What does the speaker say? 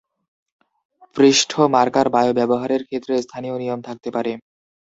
পৃষ্ঠ marker bio ব্যবহারের ক্ষেত্রে স্থানীয় নিয়ম থাকতে পারে।